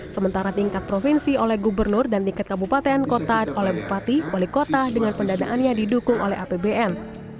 sementara tingkat provinsi oleh gubernur dan tingkat kabupaten kota oleh bupati wali kota dengan pendanaannya didukung oleh apbn